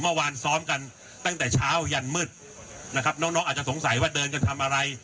เมื่อวานซ้อมกันตั้งแต่เช้ายันมืดนะครับน้องน้องอาจจะสงสัยว่าเดินกันทำอะไร